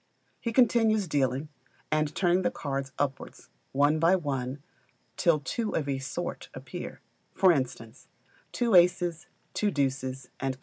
He continues dealing, and turning the cards upwards, one by one, till two of a sort appear: for instance, two aces, two deuces, &c.